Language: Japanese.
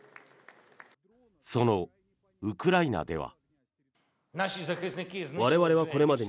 そのウクライナでは。